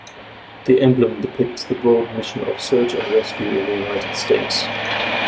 The emblem depicts the broad mission of search and rescue in the United States.